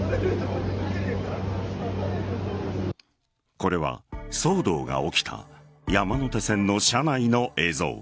これは騒動が起きた山手線の車内の映像。